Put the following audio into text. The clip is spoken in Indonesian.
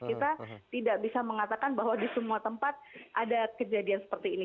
kita tidak bisa mengatakan bahwa di semua tempat ada kejadian seperti ini